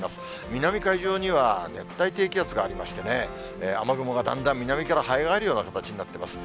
南海上には熱帯低気圧がありましてね、雨雲がだんだん南からはい上がるような形になってます。